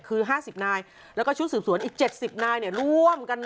คือ๕๐นายแล้วก็ชุดสืบสวนอีก๗๐นายร่วมกัน